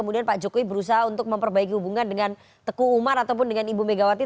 kemudian pak jokowi berusaha untuk memperbaiki hubungan dengan teku umar ataupun dengan ibu megawati